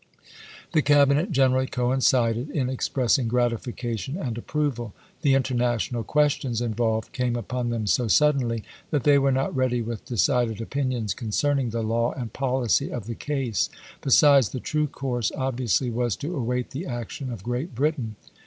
^ The Cabinet generally coincided in expressing gi'atification and approval. The international ques tions involved came upon them so suddenly that they were not ready with decided opinions concern ing the law and policy of the case ; besides, the true course obviously was to await the action of Great Britain.